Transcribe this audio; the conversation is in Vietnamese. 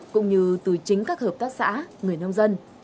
cũng như từ chính các hợp tác xã người nông dân